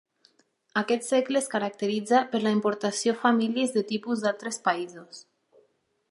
Aquest segle es caracteritza, per la importació famílies de tipus d'altres països.